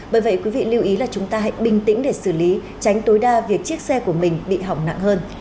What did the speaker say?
bởi vậy quý vị lưu ý là chúng ta hãy bình tĩnh để xử lý tránh tối đa việc chiếc xe của mình bị hỏng nặng hơn